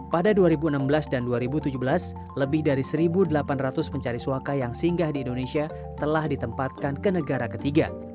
pada dua ribu enam belas dan dua ribu tujuh belas lebih dari satu delapan ratus pencari suaka yang singgah di indonesia telah ditempatkan ke negara ketiga